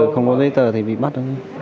không có giấy tờ thì bị bắt